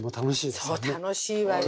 そう楽しいわよ。